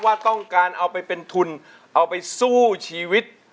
ว่าต้องการเอาไปเป็นทุนเอาไปสู้ชีวิต